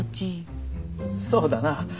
そうだなぁ。